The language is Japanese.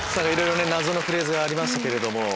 いろいろ謎のフレーズがありましたけれども。